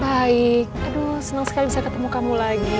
baik aduh senang sekali bisa ketemu kamu lagi